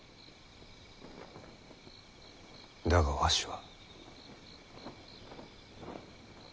だがわしは。